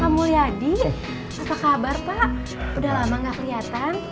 pak mulyadi apa kabar pak udah lama gak kelihatan